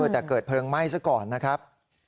แต่เกิดเพลิงไหม้ซะก่อนนะครับ